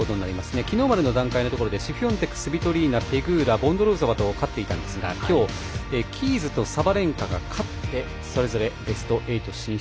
昨日までの段階でシフィオンテク、スビトリーナペグーラ、ボンドロウソバと勝っていたんですがジャバーが勝ちましてそれぞれベスト８進出。